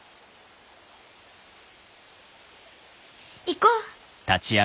行こう！